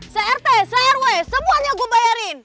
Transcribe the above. crt crw semuanya gue bayarin